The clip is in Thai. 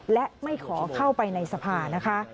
และไม่ขอเข้าไปในสภานะคะ